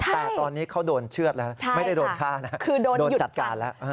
แต่ตอนนี้เขาโดนเชื่อดแล้วไม่ได้โดนฆ่านะคือโดนจัดการแล้ว